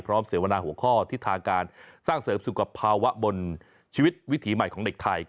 เสวนาหัวข้อทิศทางการสร้างเสริมสุขภาวะบนชีวิตวิถีใหม่ของเด็กไทย